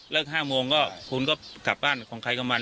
๕โมงก็คุณก็กลับบ้านของใครกับมัน